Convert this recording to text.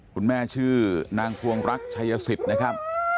คุณแม่ชื่อนางพวงรักชัยสิทธิ์นะครับ